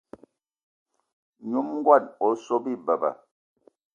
Nyom ngón o so bi beba.